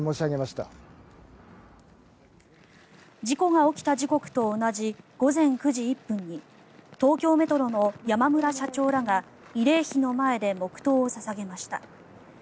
事故が起きた時刻と同じ午前９時１分に東京メトロの山村社長らが慰霊碑の前で黙祷を捧げました。